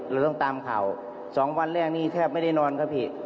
เราต้องตามข่าว๒วันแรกนี่แทบไม่ได้นอนครับพี่